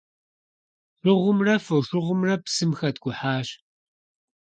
Шыгъумрэ фошыгъумрэ псым хэткӀухьащ.